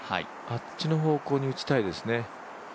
あっちの方向に打ちたいですね。